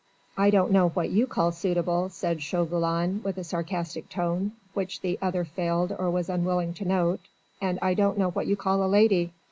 "I don't know what you call suitable," said Chauvelin with a sarcastic tone, which the other failed or was unwilling to note, "and I don't know what you call a lady.